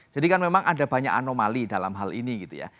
jadi kan memang ada banyak anomali dalam hal ini